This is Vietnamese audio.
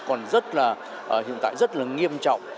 còn hiện tại rất là nghiêm trọng